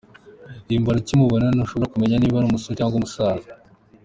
Himbara ukimubona ntushobora kumenya niba ari umusore cyangwa umusaza.